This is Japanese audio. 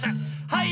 はい！